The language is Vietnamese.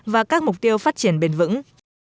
và các mục tiêu phát triển bền vững